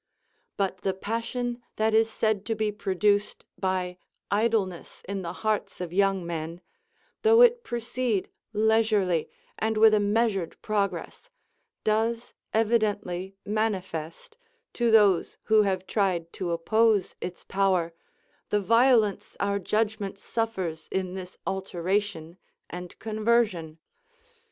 But the passion that is said to be produced by idleness in the hearts of young men, though it proceed leisurely, and with a measured progress, does evidently manifest, to those who have tried to oppose its power, the violence our judgment suffers in this alteration and conversion.